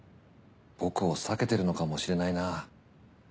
僕を避けてるのかもしれないな。